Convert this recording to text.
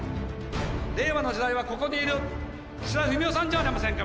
令和の時代はここにいる岸田文雄さんじゃありませんか！